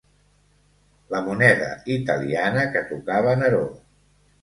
La moneda italiana que tocava Neró.